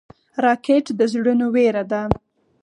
راکټ د زړونو وېره ده